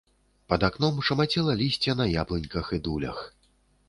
Пад акном шамацела лісце на яблыньках і дулях.